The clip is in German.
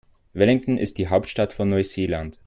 Wellington ist die Hauptstadt von Neuseeland.